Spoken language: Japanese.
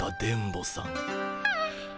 はあ。